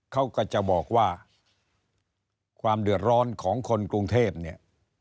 เขาก็จะบอกว่าความเดือดร้อนของคนกรุงเทพเนี่ย